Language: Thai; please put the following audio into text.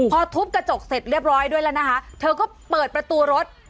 พอทุบกระจกเสร็จเรียบร้อยด้วยแล้วนะคะเธอก็เปิดประตูรถ